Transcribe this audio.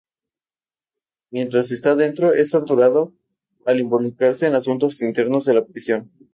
Mientras está adentro, es torturado al involucrarse en asuntos internos de la prisión.